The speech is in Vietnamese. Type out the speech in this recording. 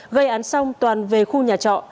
gây án xong toàn về khu nhà trọ